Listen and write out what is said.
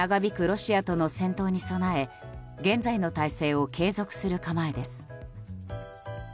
ロシアとの戦闘に備え現在の態勢を継続する構えです。